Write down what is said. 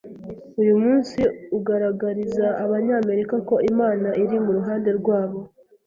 uyu munsi ugaragariza abanyamerika ko Imana iri mu ruhande rwabo,